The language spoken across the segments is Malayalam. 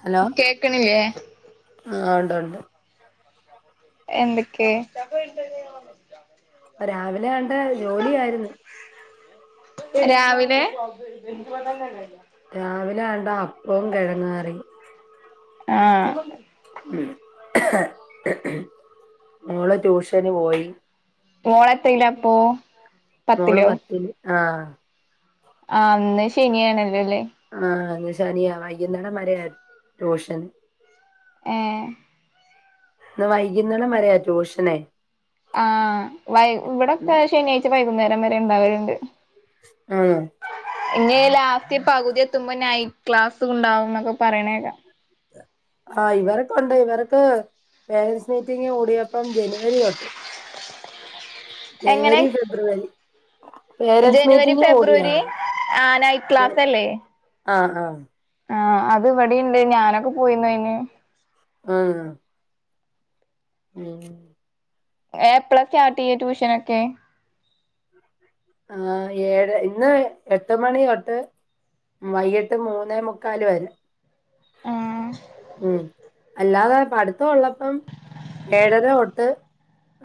ഹലോ കേക്കണില്ലേ ആ ഉണ്ട് ഉണ്ട് എന്തൊക്കെ രാവിലെ കണ്ട ജോലിയായിരുന്നു രാവിലെ രാവിലെണ്ട അപ്പവും കിഴങ്ങാറി ആ ഉ മോള് ട്യൂഷന് പോയി മോളത്തയില അപ്പൊ മോള് പത്തില് ആ ആ ന്ന് ശനിയണല്ലോല്ലേ ആഹ് ഇന്ന് ശനിയാ വൈകുന്നടംവരെയാ ട്യൂഷ്യൻ ഏ ന്ന് വൈകുന്നേടംള വരയാ ട്യൂഷനെ ആഹ വൈ ഇവിടെ ശനിയാഴ്ച വൈകുന്നേരം വരെ ഉണ്ടാകല്ണ്ട് ആഹ ഇനി ലാസ്റ്റ് പകുതി എത്തുമ്പോ നൈറ്റ് ക്ലാസ് ഉണ്ടാവുംന്നൊക്കെ പറണേക്കാ ആ ഇവരൊക്കെണ്ട് ഇവർക്ക് പേരന്സ് മീറ്റിംഗ് കൂടിയപ്പം ജനുവരി തൊട്ട് [unintelligible] എങ്ങനെ ജനുവരി ഫെബ്രു. വരി പേരന്സ് ജനുവരി മീറ്റിംഗ് ഫെബ്രുവരി കൂടിയിരുന്നുകഓടിയായിരുന്നു ആഹ് നൈറ്റ് ക്ലാസ് ആഹ ആഹ ആഹ അത് ഇവിടെണ്ട് ഞാനൊക്കെ പോയിന്നുഅന് ആഹ ഉം എപ്പളാസ്റ്റാർട്ട്ചെയ്യാട്യൂഷനൊക്കെ ആ ഏഴ് ഇന്ന് എട്ട മണി തൊട്ട് വൈകിട്ട് മൂന്നേ മുക്കാൽ വരെ ആഹ് ഉ അല്ലാതെപടുത്ത ഉള്ളപ്പം ഏഴര തൊട്ട്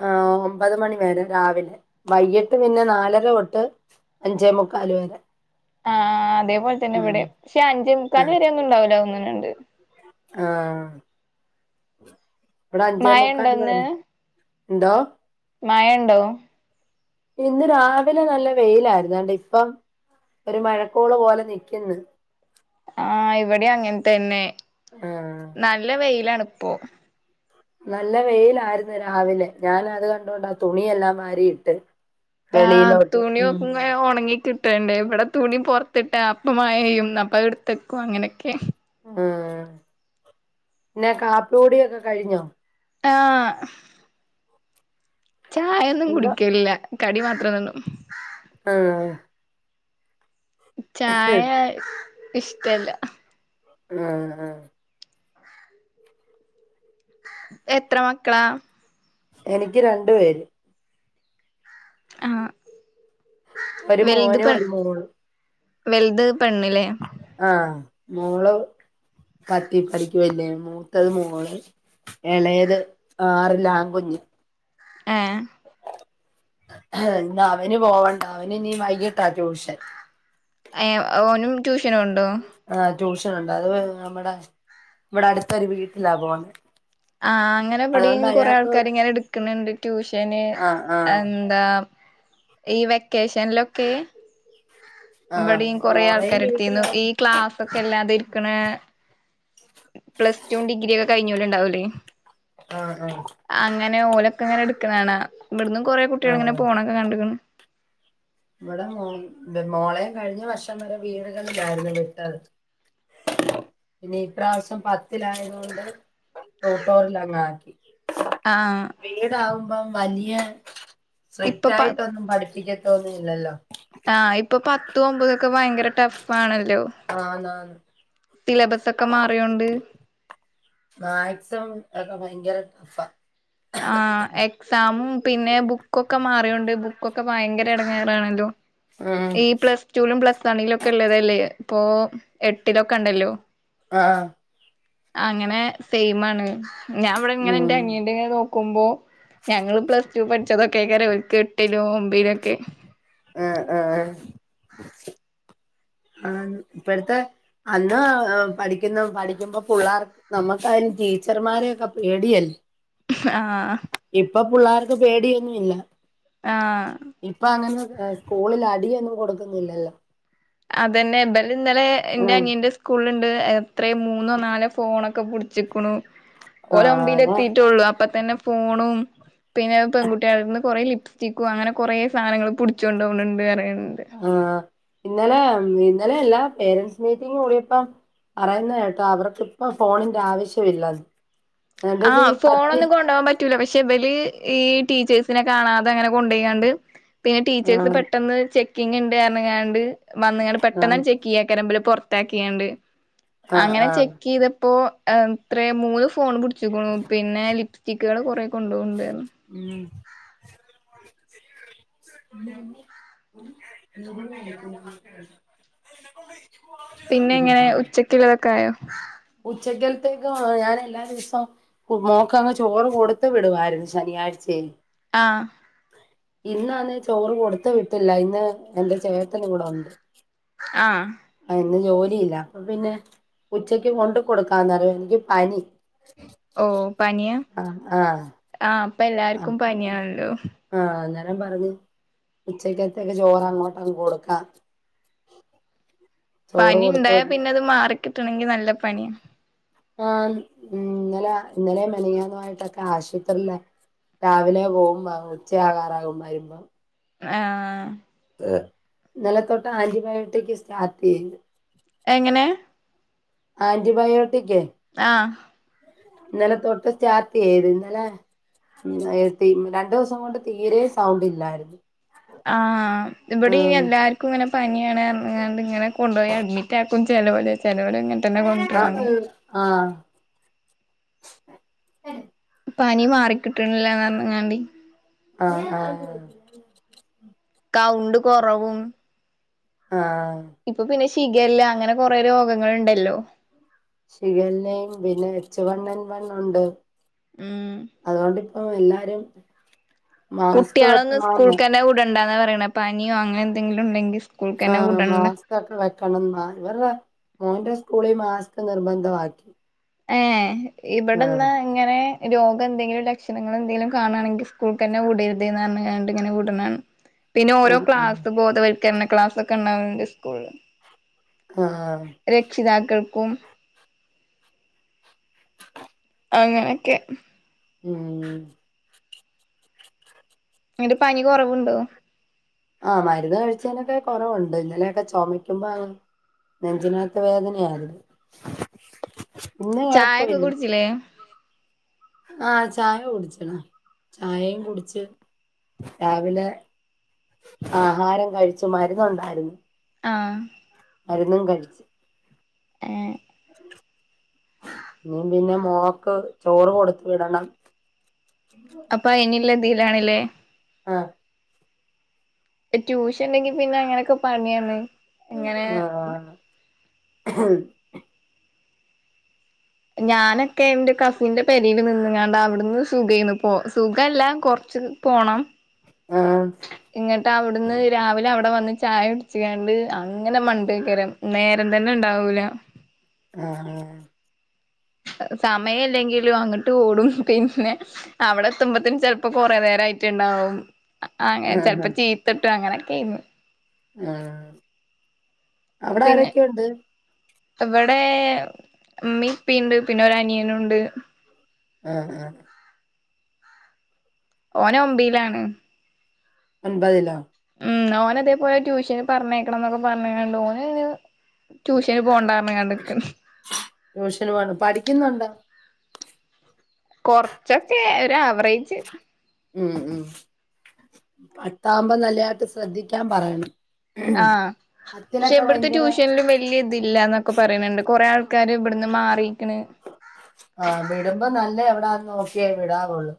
ആ ഒമ്പത് മണിവരെ രാവിലെ വൈകിട്ട് പിന്നെ നാലര [unintelligible] ട്ട് അഞ്ചേ മുക്കാൽ വരെ. ആഹ അതേപലെന്നെ ഉം ഇവിടെ. പക്ഷെ, അഞ്ച മുക്കാല് വരെ ഒന്നും ഇണ്ടാവുല തേന്നുനുണ്ട്. ആഹ. ഇവിടെ അഞ്ചേ മഴ മുക്ക ഉണ്ടോന്ന് ന്തോ മായണ്ടോ? ഇന്ന് രാവിലെ നല്ല വെയിലായിരുന്നുണ്, ഇപ്പം. ഒരു മഴക്കൂള് പോലെ നിക്കുന്നു. ആഹ. ഇവിടെ അങ്ങനെ തന്നെ ആഹ് നല്ല വെയിലാ ഇപ്പോ നല്ല വെയിലായിരുന്നു, രാവിലെ ഞാൻ അത് കണ്ടോണ്ട് ആ തുണിയെല്ലാം വാരിയിട്ട്. ആ വെളിയിലോട്ട് ഉം തുണിങ്ങ ഉണങ്ങിക്കി [unintelligible] ഇവിടെ തുണി പുറത്തിട്ട് അപ്പം മഴയും അപ്പ ഇടുത്തക്കും അങ്ങനെക്കെ. ആ പിന്നെ കാപ്പോടിക്കെ കഴിഞ്ഞോ? ആ ചായ ഒന്നും എന്തോ കുടിക്കല്ല കടി മാത്രം തിന്നും. ആഹ ചായ ഇഷ്ടല്ല. ആഹ ആഹ എത്ര മക്കളാ? എനിക്ക് രണ്ടു പേര്. ആ ഒരു മോനും ഒരു മോള്. വലുത് പെണ്ണില്ലേ? ആഹ മോള് പത്തിപ്പടിക്ക് വല്യ, മൂത്തത് മേള്. എളത് ആറില്, ആൺകുഞ്ഞ് ആഹ അവന് പോവണ്ട. അവന് നീ വൈകിട്ടാ ട്യൂഷൻ. എ, ഓനും ട്യൂഷന് ആ ട്യൂഷൻണ്ട് അത് നമ്മടെ ഇവിടെ അടുത്തൊരു, വീട്ടിലാ പോ. നെ ആഹ. അങ്ങനെ മ്പടിംകൊറെ ആൾക്കാാര് ഇങ്ങനെ എടുക്കുന്നുണ്ട് ട്യൂഷന് ആഹ് ആഹ് എന്താ ഈ വെക്കേഷനീലൊക്കെ. ആഹ് ബടീം, കൊറെേ മോളെയും ആൾക്കാാര് എടുത്തിരുന്നു. ഈ വീട്ടിലായിരുന്നു ക്ലാസ് ഒക്കെ അല്ലാതെ ഇരിക്കണ പ്ലസ് ടു ഡിഗ്രി ഒക്കെ കഴിഞ്ഞോല് ഉണ്ടാവൂലേ. ആഹ് ആഹ് അങ്ങനെ ഓലൊക്കെ ഇങ്ങനെടു ഇവിടന്ന് കുറ കുട്ടികൾ ഇങ്ങനെ ആഹ് പോണൊക്കെ കണ്ട്ക്ക്ണ്. ഇവിടെ. മോ മോളയും കഴിഞ്ഞ വർഷം വരെ വീടുകളലായിരുന്നു വിട്ടത്. ഇനി ഇപ്രാവശ്യം പത്തിലായത കൊണ്ട് [unintelligible] ആഹ് വീടകുമ്പം വലിയ ഇപ്പൊ സ്ട്രിക്റ്റ് പ ആയിട്ടൊന്നും പഠിപ്പിക്കതി ഇല്ലല്ലല്ലോ ആഹ് ഇപ്പൊ പത്ത്. ഒമ്പതൊക്കെ ഭയങ്കര ടഫ് ആണല്ലോ. ആന്നാന്ന് സിലബസ് ഒക്കെ മാറിയോണ്ട്. മാക്സ്, ഒക്കെ ഭയങ്കര ടഫാ. ആഹ്. എക്സമും പിന്നെ, ബുക്കൊക്കെ മാറിയൊണ്ട് ബുക്കൊക്കെ ഭയങ്കര ഇടങ്ങേറാണല്ലോ, ഉം ഈ പ്ലസ്റ്റുലും പ്ലസ് വണിലും ഒക്കെ ഉള്ളതല്ലേ ഇപ്പൊ എട്ടിലൊക്കെ ഉണ്ടല്ലോ. ആഹ് അങ്ങനെ സെയിമാണ്. ഞാൻ അവിടെ ഇങ്ങനെ എന്റെ ഉം അനിയന്റെ നോ ക്കുമ്പോ ഞങ്ങള് പ്ലസ് ടു പഠിച്ചതൊക്കെയ്ക്കാരം, എട്ടിലും ഒമ്പിലോ ഒക്കെ. ആഹ് ആഹ് ആഹ് ആഹ ഇപ്പടുത്തെ അന്ന് പഠിക്കുന്ന പഠിക്കുമ്പോ പിള്ളേർക്ക് നമ്മുക്ക്, അതിന് ടീച്ചർമാരെയൊക്കെ പേടിയല്ലേ. ആഹ് അപ്പൊ പിള്ളേർക്ക് പേടിയൊന്നുല്ല ആഹ് ആ സ്കൂളിൽ അടിയൊന്നും കൊടുക്കുന്നില്ലല്ലോ അതന്നെ ബല ഇന്നലെ എൻ്റെ ആഹ് അനിയന്റെ സ്കൂളിൽ ണ്ട് എത്രയ മൂന്നോ നാലോ ഫോണൊക്കെ പിടിച്ചിക്കണു ആഹ് ഓലമ്പീൽ അതാ എത്തിട്ടള്ളൂ അപ്പൊ തന്നെ ഫോണും പിന്നെ പെൺകുട്ടികള നിന്ന് കുറെേ ലിപ്സ്റ്റിക്കും അങ്ങനെ കുറെേ സാധനങ്ങള്പുടിച്ച് കൊണ്ടോകുന്നുണ്ട് അയാണ് ആഹ് ഇന്നലെ ഇന്നലെ എല്ലാ പേരൻറ്സ് മീറ്റിംഗ കൂടിയപ്പം പറയുന്ന കേട്ടോ അവർക്ക് ഇപ്പ ഫോണിന്റെ ആവശ്യമില്ല ആഹ് ഫോണ ഒന്നും കൊണ്ടപ പോകൻ പറ്റ പറ്റൂല പക്ഷെ ഇവല് ഈ ടീച്ചേഴ്സിനെ കാണാതെ അങ്ങനെൊക്കെ കൊണ്ട പോയിയാണ്ട് പിന്നെ ടീച്ചേഴ്സ് ആഹ് പെട്ടെന്ന് ചെക്കിങ് ഉണ്ടറഞ്ചിങ്ങാണ്ട് വന്നാണ്ട് പെട്ടെന്ന ആഹ് ചെക്ക് ചെയ്യാൻറ ഉണ്ടയിരങ്ങാണ്ട് ആഹ് അങ്ങനെ ആഹ് ചെക്ക് ചെയ്യതപ്പോൾ എത്ര മൂന്ന് ഫോണ് പിന്നെ ലിപ്സ്റ്റിക്കുകൾ കുറേ കൊണ്ട് പോകുണ്ടായിരുന്നു ഉം [unintelligible] പിന്നെ എങ്ങനെ ഉം ഉച്ചക്കുള്ളതൊക്കെ ആയോ ക്ക ഞാൻ എല്ലാ ദിവസവും മോക്കങ്ങ് ചോറ് കൊടുത്ത വിടുവായിരുന്നു ശനിയാഴ്ചയ ആഹ് ഇന്ന അന്ന് ചോറ് കൊടുത്ത വിട്ടില്ല ഇന്ന് എന്റെ ചേട്ടൻ കൂടെ ഉണ്ട് ആഹ് ആഹ് ജോലിയില്ല അപ്പൊ പിന്നെ ഉച്ചക്ക് കൊണ്ട് കൊടുക്കാന്നറിയ എനിക്ക് പനി ഓഹ് പനിയാ ആഹ് ആഹ് പ്പൊ എല്ലാർക്കും പനിയാല്ലോ ആം പറഞ്ഞഞ് ഉച്ചക്കത്തൊക്കെ ചോറ് അങ്ങോട്ട അങ് കൊടുക്കാം ചോറ് കൊടുത്ത് പനിണ്ടായാ വിടണം പിന്നെ അത് മാറിക്കിട്ടണെങ്കി നല്ല പണിയാ ആഹ് ഇന്നലെ ഇന്നലെ മലിയാനുയിട്ടൊക്കെ ആശുപത്രില്ലേ രാവിലെ പോകുമ്പ ഉച്ചയാകാറാകും വരുമ്പം ആഹ് നില തൊട്ട് ആന്റിബയോട്ടിക് സ്റ്റാർട്ട് ചെയ്യണ്ട് എങ്ങനെ ആന്റിബയോട്ടിക് ആഹ ഇന്നലെ തൊട്ട് സ്റ്റാർട്ട് യ്ത് ഇന്നലെ ഉ രണ്ടു ദിവസം കൊണ്ട് തീരെ സൗണ്ട് ഇല്ലായിരുന്നു ആഹ ഇവിടെ ഉം എല്ലാർക്കും ഇങ്ങനെ പനിയാണ് ഇങ്ങനെ കൊണ്ടുപോയി അഡ്മിറ്റ് ആക്കും ചെലോര് ചെലോരെ ഇങ്ങ തന്നെ കൊണ്ടരാണ് ആഹ് അെ പനി മാറിക്കിട്ടുന്നില്ലങ്ങാണ്ടി ആഹ ആഹ കൗണ്ട് കൊറവും ആഹ ചികല്ല അങ്ങനെ കൊറെ രോഗങ്ങ ഉണ്ടല്ലോ ഷിഗല്ല യും പിന്നെ എച്ചുവണ്ണൻ എൻ വണ്ണുണ്ട് ഉം അതൊണ്ട് ഓ എല്ലാരും മാസ്ക് കുട്ടികളൊന്നും വെക്കണോന്ന് സ്കൂൾക്ക് ന്നെ വിടണ്ടാന്ന പറയണ ആഹ മാ വിടണ്ട സ്ക്വെക്ക വെക്കണന്നാ മോൻ്റെ സ്ക്കൂളിൽ മാസ്ക് നിർബന്ധമാക്കി ഏഹ ഇവിടെന്ന് ഇങ്ങനെ രോഗം എന്തെങ്കിലും ലക്ഷണങ്ങൾ എന്തെങ്കിലും കാണുകയാണെങ്കിൽ സ്കൂൾക്ക് തന്നെ വിടരുത്ന്ന് പറഞ്ഞണ്ട്ിങ്ങനെ വിൂടുന്നാണ് പിന്നെ ഓരോ ആഹ് ആഹ് ക്ലാസ് ബോധവൽക്കരണ ക്ലാസ് ഒക്കെ ഉണ്ടാവണ്ട് സ്കൂളില്. ആഹ കും അങ്ങനൊക്കെ. ഉം അന്റെ പനി കൊറവുണ്ടോ? ആഹ് മരുന്ന് കഴിച്ചനൊക്കെ കുറവുണ്ട് ഇന്നലെയൊക്കെ ചുമക്കുമ്പോ അങ്ങ്.. നെഞ്ച് നകത്ത് വേദനയായിരുന്നു ചായൊക്കെ പിന്നെകുഴപ്പമില്ല. കുടിച്ചില്ലേ ആഹ ചായ കുടിച്ച് ണ്ണ്ചായയും കുടിച്ച് രാവിലെ. ആഹാരം കഴിച്ചു മരുന്നു ഉണ്ടായിരുന്നു. ആ മരുന്നും കഴിച്ചു. ഏ ഇ പിന്നെ മോക്ക് ചോറ് കൊടുത്തു വിടണം. അപ്പ ഇനില്ല തീരാണല്ലേ. ആഹ് ട്യൂഷൻ ഉണ്ടെങ്കി പിന്നെ അങ്ങനെയൊക്കെ പണിയാണ്. ഇങ്ങനെ ആഹ ഞാനൊക്കെ എന്റെ കസിന്റെ പരി നിന്ന്ങ്ങണ്ട അവിടുന്ന് സുഖംന്ന് പോ സുഖ ല്ലാം കൊറ.. പോണം ആഹ് ഇങ്ങിട്ട് അവിടുന്ന് രാവിലെ അവിടെ വന്ന്.. ചായ പിടിച്കണ്ട് അങ്ങനെ മണ്ട്ക്കരം നേരം തന്നെ ഇണ്ടാവൂല. ആഹ ആഹ സമയം ഇല്ലെങ്കിലും അങ്ങട്ട് ഓടും പിന്നെ അവിടെ എത്തുമ്പത്തും ചെിലപ്പോ കുറേ.. യിട്ടുണ്ടാവും അങനെചെലപ്പോ ചീത്തട്ടും അങ്ങനെയൊക്കെയിന്നു. ആ അവിടെ പിന്നെ ആരൊക്കെയ ഉണ്ട്. ഇവിടെ മ്മിംഇപ്പിം ണ്ട്പിന്നെ ഒരു അനിയനുണ്ട്. ഉഹ ഉഹ ഓന ഒമ്പിയിലാണ് ഒമ്പതിലോ. ഉം ഓന അതേപോലെ ട്യൂഷന് പറഞ്ഞേക്കണം എന്നൊക്കെ പറഞ്ഞണ്ട് ഓന്ന് ട്യൂഷന് പോണ്ട. ആണ്ട്ക്ക് ന്. ട്യൂഷന് വേണം പഠിക്കുന്നുണ്ടോ. കൊറച്ചൊക്കെ ഒരു അവറേജ്. ഉം ഉ പട് താമ്പോ നല്ലതായിട്ട് ശ്രദ്ധിക്കാൻ പറയണം. ആഹ പക്ഷെ പത്തിലൊക്കെ ഇവിടുത്തെ ഭയങ്കര ട്യൂഷനിലും വലിയ ഇതില്ലന്നൊക്കെ പറയുന്നുണ്ട് കൊറെേ ആൾ. ആക്കാര് ഇവിടുന്ന് മാറി. ആഹ വിടുമ്പോ നല്ലേ എവിടാന്ന് നോക്കിയേ വിടാാവുള്ളു.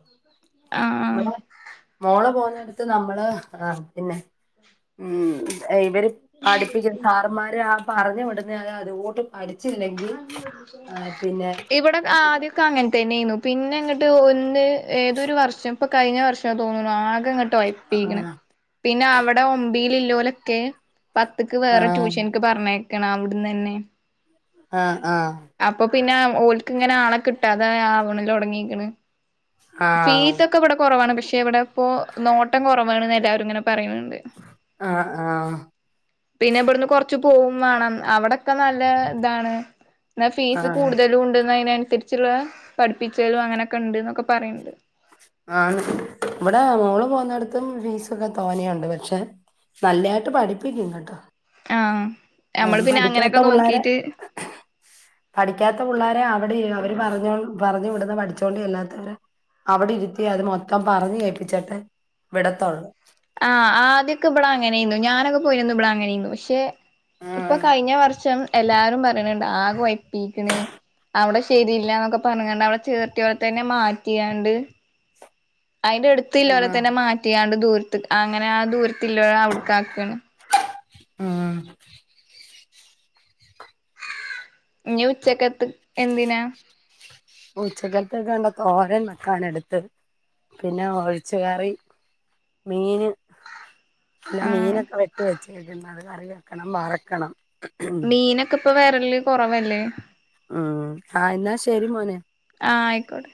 ആഹ് ആഹ് നമ്മടെ മോളേ പോുന്നടുത്ത് നമ്മള് ആഹ പിന്നെ. ഉം ഇവര് പഠിപ്പിക്കുന്ന സാറമാര് ആ പറഞ്ഞു വിടുന്നൽ അതോട്ടും പഠ.. ഇവിടെ ആദ്യൊക്കെ അങ്ങനെത്തന്നെന്. പിന്നെ അങ്ങോട്ട് ഒന്ന് ഏതൊരു വർഷം ഇപ്പൊ കഴിഞ്ഞ വർഷം. തോന്നുന്നു ആകെ ഇങ്ങോട്ട് യപ്പിക്ണ് ആഹ് പിന്നെ അവിടെ ഒമ്പിയില് ഇല്ലോലൊക്കെ. പത്ത്ക്ക് വേറെ ആഹ് ട്യൂഷനക്ക് പറഞ്ഞേക്കണ അവിടന്ന് തന്നെ. ആഹ് ആഹ പിന്നെ ഓൽക്ക് ഇങ്ങനെ ആളെ കിട്ടാ അതെ ആ അവണിൽ ഉടങ്ങിിക്കണ്. ഫീസ് ഒക്കെ ഇവിടെ കുറവാണ് പക്ഷെ ഇവിടെ ഇപ്പോൊ നോട്ടം കുറവാണ്ന്ന് എല്ലാവാരും ഇങ്ങനെ പറയുന്നുണ്ട്. ആഹ ആഹ പിന്നെ ഇവിടുന്ന് കൊറച്ച് പോകും വേണം അവിടെ.. നല്ല ഇതാണ് എന്ന ഫീസ് ആഹ് കൂടുതലും ഉണ്ട്തിന്.. തിരിച്ചുള്ള പഠിപ്പിച്ചലും അങ്ങനെയൊക്കെ ഉണ്ട് എന്നൊക്കെ പറയണ്ട്. ആ ഇവിടെ മോള് പോകുന്നിടത്തും ഫീസ ഒക്കെ തോന്നിയുണ്ട് പക്ഷെ. നല്ലതായിട്ട് പഠിപ്പിക്കങ്ങ കേട്ടോ ആ ആ നമ്മള് പിന്നെ പഠിക്കാത്ത അങ്ങനെയൊക്കെ പിള്ളേരെ നോക്കിട്ട് പഠിക്കാത്ത പിള്ളേരെ അവിടെ അവര് പറഞ്ഞോ പറഞ്ഞു വിടന്ന് പഠിച്ചോണ്ട ചേല്ലാത്തവര് അവിടെ ഇരുത്തി അത് മൊത്തം പറഞ്ഞ് കേൾപ്പിച്ചിട്ട് വിടത്തുള്ളു ആഹ് ആദ്യൊക്കെ ഇവിടൊ അങ്ങനെയന്നുന്നു ഞാനൊക്കെ പോയിരന്ന് ഇവിടാ അങ്ങനെയന്നുന്നു പക്ഷെ ആ ഇപ്പൊ കഴിഞ്ഞ വർഷം എല്ലാരും പറയണണ്ട് ആ കൊയപ്പിക്കണ് അവിടെ ശരില്ലന്നൊക്കെ പറഞ്ഞണ്ട് അവിടെ ചേർത്തിയലെന്നെ മാറ്റിയാണ്ട് അതിന്റെ അടുത്ത് ആ ഇല്ലലെ തന്നെ മാറ്റിയാണ്ട് ദൂരത്ത് അങ്ങനെ ആ ദൂരത്തില്ലെ അവിടുക്ക ആാക്കാണ് ആ ഇനി ഉച്ചക്കത്ത് എന്തിനാ ഉച്ചക്കത്തൊക്കെ കണ്ട തോരൻ വെക്കാണ് എടുത്ത് പിന്നെ ഒഴിച്ച കയറി മീന അല്ല ആഹ് മീനൊക്കെ വെട്ടി വെച്ച്ക്കുന്നത് അത് കറി വെക്കണം വറക്കണം. മീനൊക്കെ ഇപ്പൊ വരല്ല കുറവല്ലേ ഉം ആ എന്നാൽ ശരി മോനെ ആഹ് ആയിക്കോട്ടെ